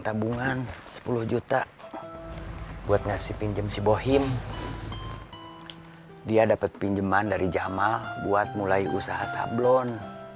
tabungan sepuluh juta buat ngasih pinjam si bohim dia dapat pinjaman dari jamal buat mulai usaha sablon